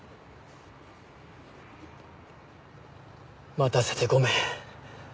待たせてごめん。